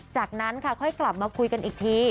จากนั้นค่ะค่อยกลับมาคุยกันอีกที